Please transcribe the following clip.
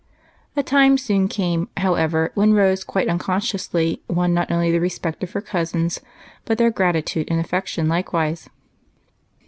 A time soon came, however, when Rose, quite un consciously, won not only the respect of her cousins, but their gratitude and affection likewise.